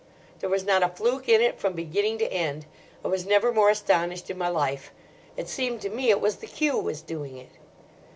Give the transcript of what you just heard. There was not a fluke in it from beginning to end. I was never more astonished in my life. It seemed to me it was the cue was doing it.